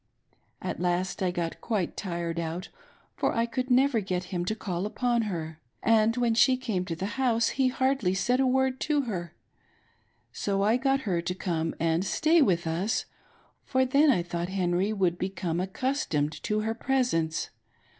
At last I got quite tired out, for I could never get him to call upon her, and when she came to the house he hardly said a word to her ; so I got her to come and stay with us, for then I thought Henry would become accustomed to her presence.